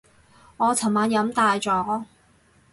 我尋晚飲大咗